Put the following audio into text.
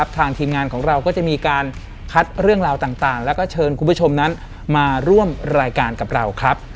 ทีมงานของเราก็จะมีการคัดเรื่องราวต่างแล้วก็เชิญคุณผู้ชมนั้นมาร่วมรายการกับเราครับ